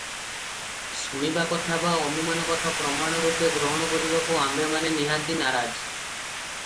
ଶୁଣିବା କଥା ବା ଅନୁମାନ କଥା ପ୍ରମାଣ ରୂପେ ଗ୍ରହଣ କରିବାକୁ ଆମ୍ଭେମାନେ ନିହାତି ନାରାଜ ।